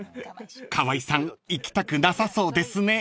［川合さん行きたくなさそうですね］